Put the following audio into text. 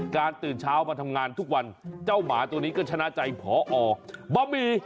ตื่นเช้ามาทำงานทุกวันเจ้าหมาตัวนี้ก็ชนะใจพอบะหมี่